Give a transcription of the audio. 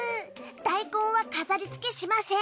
大根は飾りつけしません。